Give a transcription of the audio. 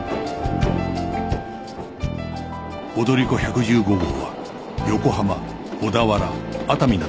踊り子１１５号は横浜小田原熱海などに停車